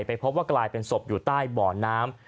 พบว่ากลายเป็นศพอยู่ใต้บ่อน้ำ